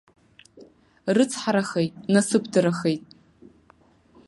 Рыцҳарахеит, насыԥдарахеит.